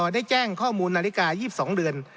ได้แจ้งข้อมูลนาฬิกา๒๒เดือน